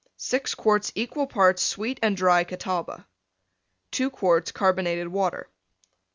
6 quarts equal parts Sweet and Dry Catawba. 2 quarts Carbonated Water.